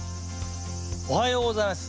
おはようございます。